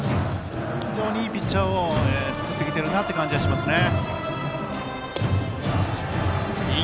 非常にいいピッチャーを作ってきているなと感じますね。